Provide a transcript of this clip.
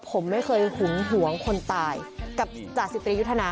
ผมไม่เคยหุงหวงคนตายจากสิทธิยุทธนา